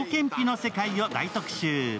世界を大特集。